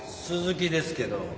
鈴木ですけど。